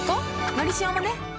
「のりしお」もね